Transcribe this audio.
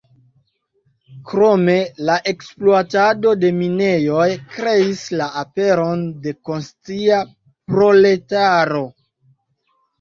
Krome la ekspluatado de minejoj kreis la aperon de konscia proletaro.